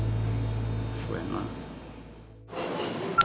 そうやな。